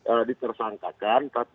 eh ditersangkakan tapi